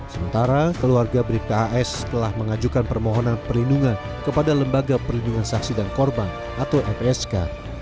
sementara keluarga bribka as telah mengajukan permohonan perlindungan kepada lembaga perlindungan saksi dan korban atau lpsk